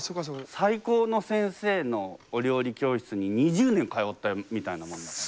最高の先生のお料理教室に２０年通ったみたいなもんだから。